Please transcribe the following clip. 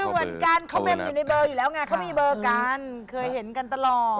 เหมือนกันเขาเมมอยู่ในเบอร์อยู่แล้วไงเขามีเบอร์กันเคยเห็นกันตลอด